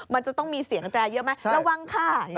มันจะต้องมีเสียงแตรเยอะไหมระวังค่ะ